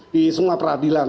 di semua peradilan